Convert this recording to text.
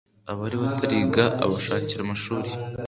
abari batariga abashakira amashuri